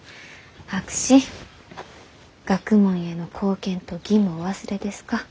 博士学問への貢献と義務をお忘れですか？